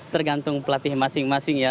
tergantung pelatih masing masing ya